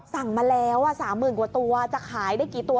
สั่งมาแล้ว๓๐๐๐กว่าตัวจะขายได้กี่ตัว